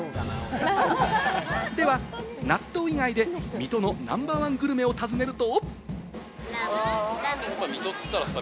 では納豆以外で、水戸のナンバー１グルメを尋ねると。